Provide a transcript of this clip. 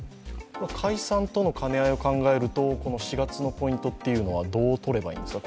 解散との兼ね合いを考えるとこの４月のポイントというのをどう捉えればいいですか。